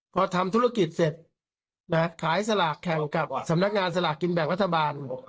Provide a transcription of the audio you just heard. พอทำธุรกิจเสร็จขายสลากแข่งกับสำนักงานสลากกินแบ่งรัฐบาล